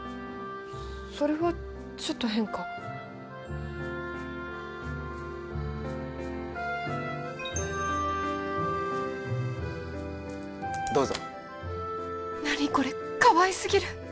それはちょっと変かどうぞ何これかわいすぎる！